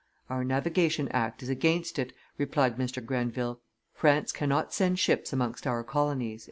"Our navigation act is against it," replied Mr. Grenville; "France cannot send ships amongst our colonies."